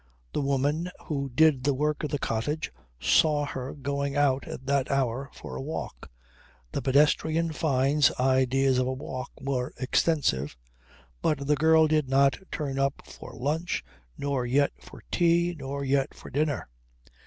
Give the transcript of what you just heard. The woman who did the work of the cottage saw her going out at that hour, for a walk. The pedestrian Fyne's ideas of a walk were extensive, but the girl did not turn up for lunch, nor yet for tea, nor yet for dinner.